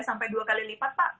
sampai dua kali lipat pak